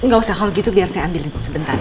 gak usah kalau gitu biar saya ambilin sebentar ya